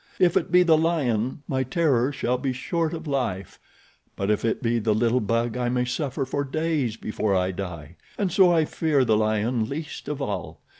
If it be the lion my terror shall be short of life; but if it be the little bug I may suffer for days before I die. And so I fear the lion least of all.